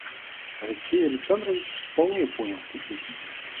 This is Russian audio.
Алексей Александрович вполне понял теперь.